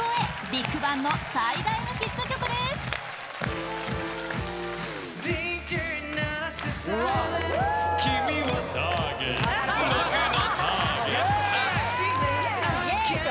ＢＩＧＢＡＮＧの最大のヒット曲です・イエーイ！